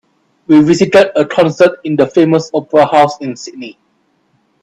We visited a concert in the famous opera house in Sydney.